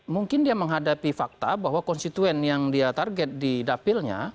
mungkin dia menghadapi fakta bahwa konstituen yang dia target di dapilnya